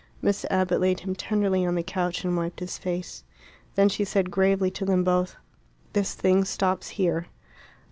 Miss Abbott laid him tenderly on the couch and wiped his face. Then she said gravely to them both, "This thing stops here."